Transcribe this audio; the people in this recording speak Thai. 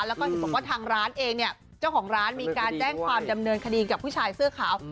แล้วก็บอกว่าทางร้านเองเนี่ยเจ้าของร้านมีการแจ้งความดำเนินคดีกับผู้ชายเสื้อขาว